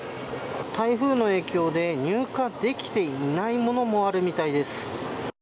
台風の影響で入荷できていないものもあるみたいです。